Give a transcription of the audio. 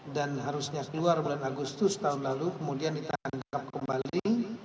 dan harusnya keluar bulan agustus tahun lalu kemudian ditangkap kembali